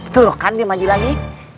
tuh kan dia maju lagi